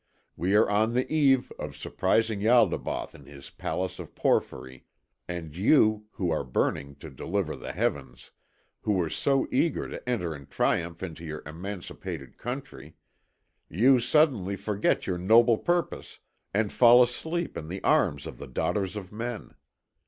We are on the eve of surprising Ialdabaoth in his palace of porphyry, and you, who are burning to deliver the heavens, who were so eager to enter in triumph into your emancipated country, you suddenly forget your noble purpose and fall asleep in the arms of the daughters of men.